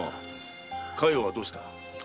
佳代はどうした？